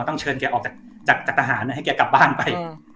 ต้องเชิญแกออกจากทหารให้แกกลับบ้านไป